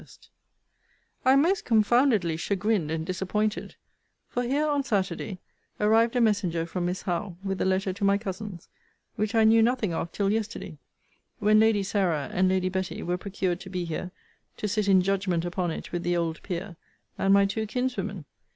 I am most confoundedly chagrined and disappointed: for here, on Saturday, arrived a messenger from Miss Howe, with a letter to my cousins;* which I knew nothing of till yesterday; when Lady Sarah and Lady Betty were procured to be here, to sit in judgment upon it with the old Peer, and my two kinswomen.